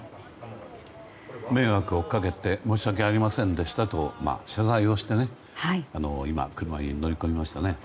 迷惑をかけて申し訳ありませんでしたと謝罪をして今、車に乗り込みましたね。